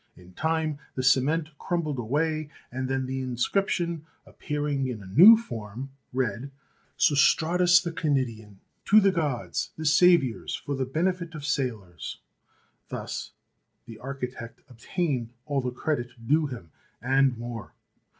In time the cement crumbled away, and then the inscription, appearing in a new form, read : "Sostratus, the Cnidian, to the Gods, the Sav iours, for the Benefit of Sailors." Thus the architect obtained all the credit due him, and more.